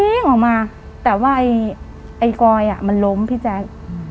วิ่งออกมาแต่ว่าไอ้กอยอ่ะมันล้มพี่แจ๊ค